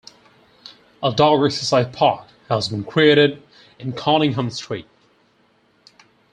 A dog exercise park has been created in Conyngham Street.